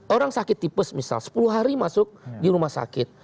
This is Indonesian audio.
orang sakit tipe misal sepuluh hari masuk di rumah sakit